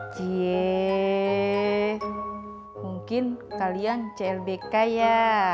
cie mungkin kalian clbk ya